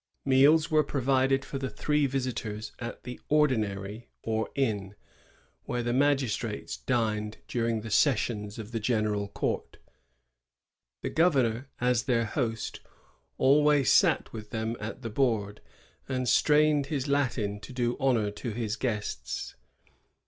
Meals were provided for the three visitors at the *^ ordinary," or inn, where the magistrates dined during the sessions of the General Court. The governor, as their host, always sat with them at the board, and strained his Latin to do honor to his guests.